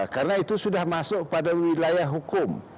karena itu sudah masuk pada wilayah hukum